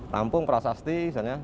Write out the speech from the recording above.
tampung prasasti misalnya